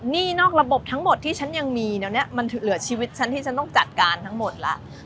นอกระบบทั้งหมดที่ฉันยังมีเดี๋ยวนี้มันเหลือชีวิตฉันที่ฉันต้องจัดการทั้งหมดแล้ว